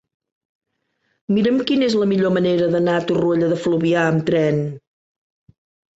Mira'm quina és la millor manera d'anar a Torroella de Fluvià amb tren.